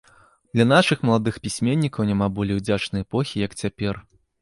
Для нашых маладых пісьменнікаў няма болей удзячнай эпохі, як цяпер.